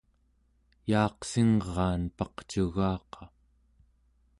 yaaqsingraan paqcugaqa